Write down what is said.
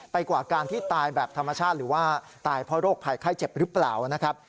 กว่าการที่ตายแบบธรรมชาติหรือว่าตายเพราะโรคภัยไข้เจ็บหรือเปล่านะครับ